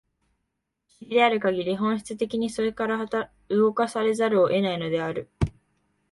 種的であるかぎり、本質的にそれから動かされざるを得ないのである。